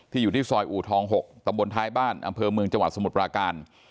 อยู่ที่ซอยอูทอง๖ตำบลท้ายบ้านอำเภอเมืองจังหวัดสมุทรปราการ